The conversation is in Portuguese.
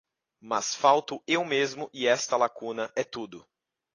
mas falto eu mesmo, e esta lacuna é tudo.